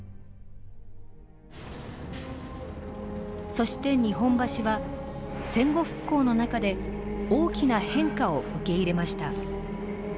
そして日本橋は戦後復興の中で大きな変化を受け入れました。